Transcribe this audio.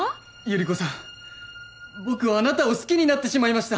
百合子さん僕はあなたを好きになってしまいました！